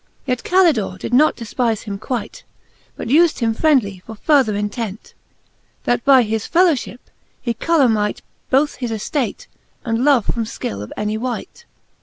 Yet Calidore did not defpife him quight, But ufde him friendly for further intent, That by his fellowlhip he colour might Both his eftate, and love, from fkill of any wight.